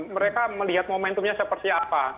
mereka melihat momentumnya seperti apa